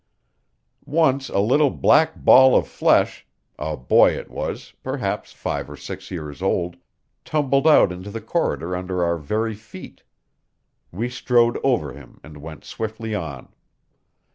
Once a little black ball of flesh a boy it was, perhaps five or six years old tumbled out into the corridor under our very feet. We strode over him and went swiftly on.